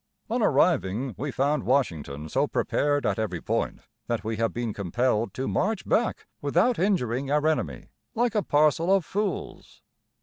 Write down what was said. On arriving, we found Washington so prepared at every point that we have been compelled to march back without injuring our enemy, like a parcel of fools."